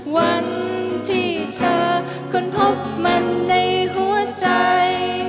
วันที่เธอค้นพบมันในหัวใจ